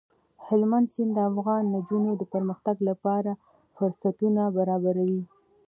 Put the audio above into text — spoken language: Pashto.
هلمند سیند د افغان نجونو د پرمختګ لپاره فرصتونه برابروي.